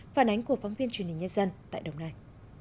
phản ánh của phóng viên truyền hình nhân dân tại đồng nai